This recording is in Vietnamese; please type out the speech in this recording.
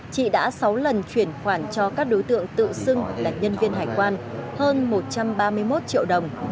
chị đã sáu lần chuyển khoản cho các đối tượng tự xưng là nhân viên hải quan hơn một trăm ba mươi một triệu đồng